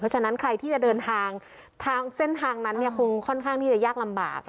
ฉะนั้นใครที่จะเดินทางทางเส้นทางนั้นเนี่ยคงค่อนข้างที่จะยากลำบาก